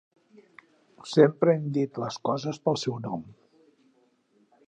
Sempre hem dit les coses pel seu nom.